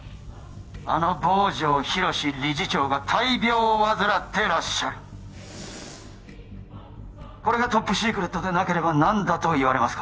あの坊城寛理事長が大病を患ってらっしゃるこれがトップシークレットでなければ何だと言われますか！？